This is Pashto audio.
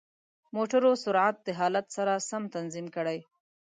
د موټرو سرعت د حالت سره سم تنظیم کړئ.